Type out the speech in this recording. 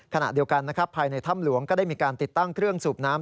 ขณะเดียวกันนะครับภายในถ้ำหลวงก็ได้มีการติดตั้งเครื่องสูบน้ำ